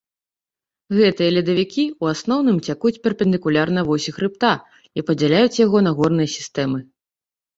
Гэтыя ледавікі ў асноўным цякуць перпендыкулярна восі хрыбта і падзяляюць яго на горныя сістэмы.